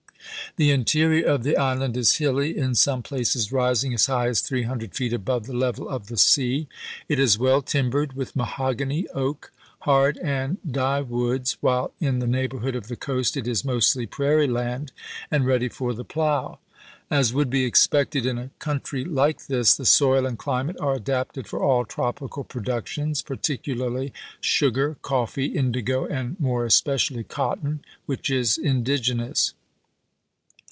The interior of the Ch. XVII. Joseph Henry, to the Assistant Secretary of State, Sept. 5, 1862. MS. 360 ABKAHAM LINCOLN ch. XVII. island is hilly, in some places rising as high as three hun dred feet above the level of the sea. It is well timbered with mahogany, oak, hard, and dye woods, while in the neighborhood of the coast it is mostly prairie land, and ready for the plow. As would be expected in a country like this, the soil and climate are adapted for all tropical productions, particularly sugar, coffee, indigo, and, more especially, cotton, which is indigenous.